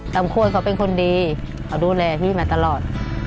โคตรเขาเป็นคนดีเขาดูแลพี่มาตลอด